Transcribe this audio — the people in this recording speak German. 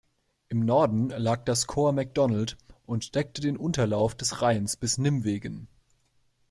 Im Norden lag das Korps Macdonald und deckte den Unterlauf des Rheins bis Nimwegen.